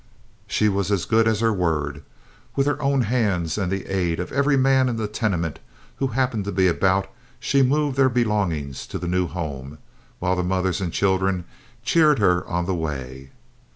She was as good as her word. With her own hands and the aid of every man in the tenement who happened to be about, she moved their belongings to the new home, while the mothers and children cheered her on the way.